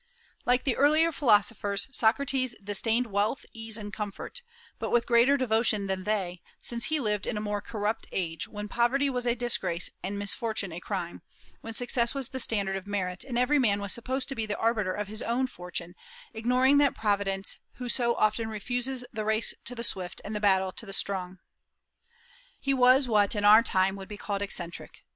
Like the earlier philosophers, Socrates disdained wealth, ease, and comfort, but with greater devotion than they, since he lived in a more corrupt age, when poverty was a disgrace and misfortune a crime, when success was the standard of merit, and every man was supposed to be the arbiter of his own fortune, ignoring that Providence who so often refuses the race to the swift, and the battle to the strong. He was what in our time would be called eccentric.